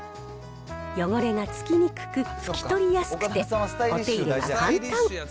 汚れがつきにくく拭き取りやすくて、お手入れが簡単。